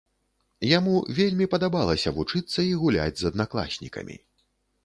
Яму вельмі падабалася вучыцца і гуляць з аднакласнікамі.